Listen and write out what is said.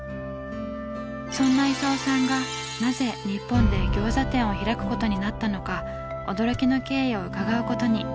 そんな功さんがなぜ日本で餃子店を開くことになったのか驚きの経緯を伺うことに。